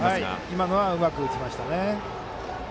今のはうまく打ちました。